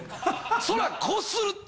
そらこするって！